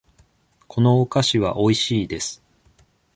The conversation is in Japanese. このお菓子はおいしいです。